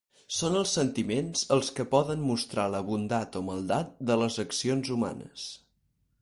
Són els sentiments els que poden mostrar la bondat o maldat de les accions humanes.